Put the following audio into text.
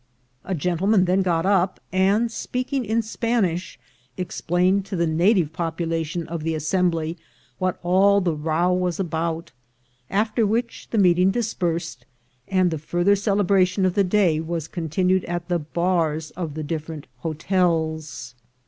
A gentleman then got up, and, speaking in Spanish, explained to the native portion of the as sembly what all the row was about; after which the meeting dispersed, and the further celebration of the day was continued at the bars of the different hotels.